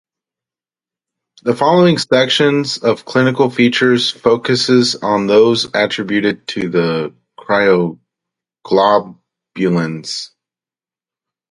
The following sections of clinical features focuses on those attributed to the cryoglobulins.